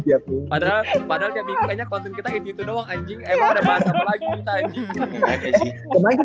cuma taunya real madrid doang anjing